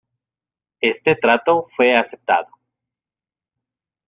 Este trato fue aceptado.